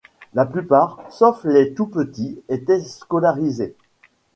La plupart, sauf les tout petits, étaient scolarisés.